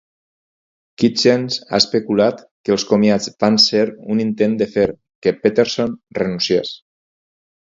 Kitchens ha especulat que els comiats van ser un intent de fer que Peterson renunciés.